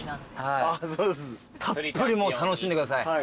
たっぷりもう楽しんでください。